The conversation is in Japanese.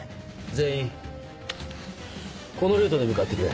全員このルートで向かってくれ。